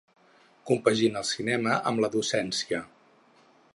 Compagina el cinema amb la docència.